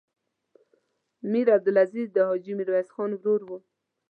میر عبدالعزیز د حاجي میرویس خان ورور و.